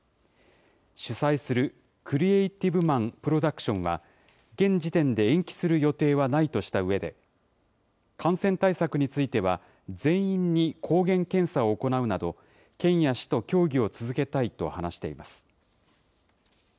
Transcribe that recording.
主催するクリエイティブマンプロダクションは、現時点で延期する予定はないとしたうえで、感染対策については、全員に抗原検査を行うなど、県や市と協議を続けたいと話しています。